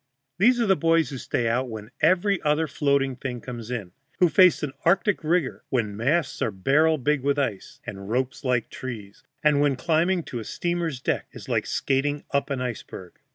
These are the boys who stay out when every other floating thing comes in, who face an Arctic rigor when masts are barrel big with ice, and ropes like trees, and when climbing to a steamer's deck is like skating up an iceberg.